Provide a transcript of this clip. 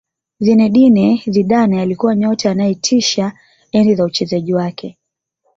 Zinedine Zidane alikuwa nyota anayetisha enzi za uchezaji wake